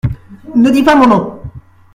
Ne dis pas mon nom.